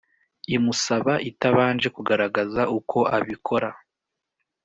imusaba itabanje kugaragaza uko abikora